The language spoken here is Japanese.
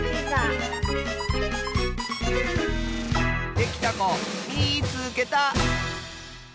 できたこみいつけた！